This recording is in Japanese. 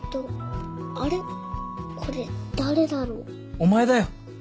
お前だよ。